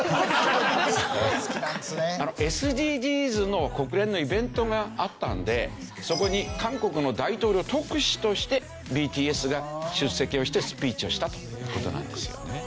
ＳＤＧｓの国連のイベントがあったんでそこに韓国の大統領特使としてＢＴＳが出席をしてスピーチをしたという事なんですよね。